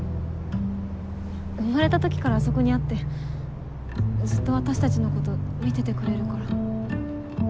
生まれた時からあそこにあってずっと私たちのこと見ててくれるから。